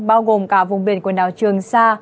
bao gồm cả vùng biển quần đảo trường sa